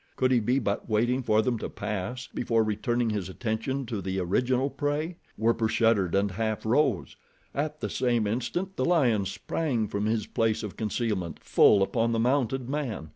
Could he be but waiting for them to pass before returning his attention to the original prey? Werper shuddered and half rose. At the same instant the lion sprang from his place of concealment, full upon the mounted man.